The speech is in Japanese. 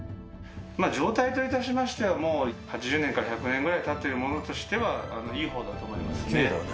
「状態と致しましてはもう８０年から１００年ぐらい経ってるものとしてはいいほうだと思いますね」